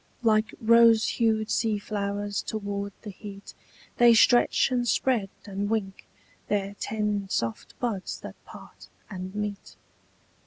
Like rose hued sea flowers toward the heat They stretch and spread and wink Their ten soft buds that part and meet.